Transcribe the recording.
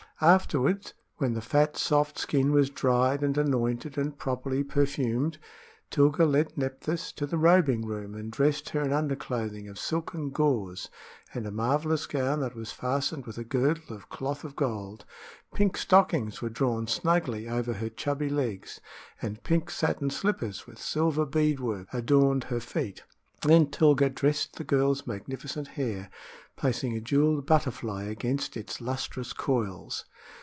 Afterward, when the fat, soft skin was dried, and annointed, and properly perfumed, Tilga led Nephthys to the robing room, and dressed her in underclothing of silken gauze and a marvelous gown that was fastened with a girdle of cloth of gold. Pink stockings were drawn snugly over her chubby legs, and pink satin slippers, with silver bead work, adorned her feet. Then Tilga dressed the girl's magnificent hair, placing a jeweled butterfly against its lustrous coils.